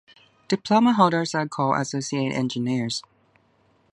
Diploma holders are called associate engineers.